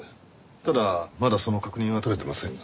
ただまだその確認はとれてませんが。